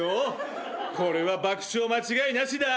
これは爆笑間違いなしだ。